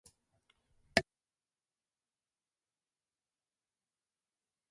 私は車から眺める富士山が好きだ。